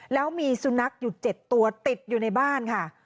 แล้วมีสุนัขอยู่๗ตัวติดอยู่ในบ้านค่ะ